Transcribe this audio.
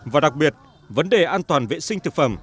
và đặc biệt vấn đề an toàn vệ sinh thực phẩm